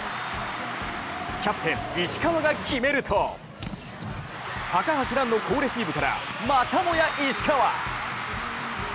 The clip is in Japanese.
キャプテン・石川が決めると高橋藍の好レシーブからまたもや石川。